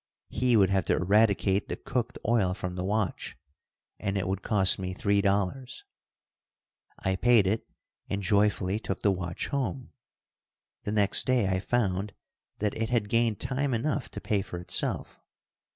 He would have to eradicate the cooked oil from the watch, and it would cost me $3. I paid it, and joyfully took the watch home. The next day I found that it had gained time enough to pay for itself.